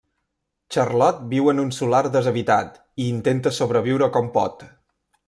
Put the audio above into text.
Charlot viu en un solar deshabitat i intenta sobreviure com pot.